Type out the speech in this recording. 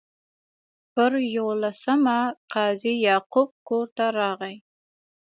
پر یوولسمه قاضي یعقوب کور ته راغی.